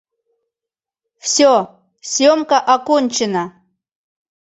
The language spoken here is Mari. Всё, съёмка окончена!